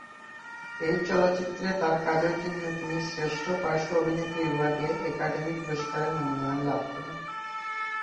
এই চলচ্চিত্রে তার কাজের জন্য তিনি শ্রেষ্ঠ পার্শ্ব অভিনেত্রী বিভাগে একাডেমি পুরস্কারের মনোনয়ন লাভ করেন।